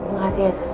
makasih ya sus